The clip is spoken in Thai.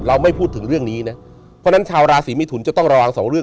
ไม่พูดถึงเรื่องนี้นะเพราะฉะนั้นชาวราศีมิถุนจะต้องระวังสองเรื่อง